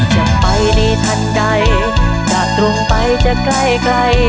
จะไปในทันใดจากตรงไปจะใกล้ใกล้